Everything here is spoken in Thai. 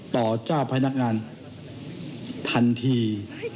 เจ้าพนักงานทันที